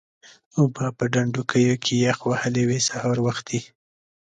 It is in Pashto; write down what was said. اوبه به په ډنډوکیو کې یخ وهلې وې سهار وختي.